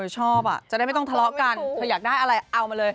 ชอบจะได้ไม่ต้องทะเลาะกันเธออยากได้อะไรเอามาเลย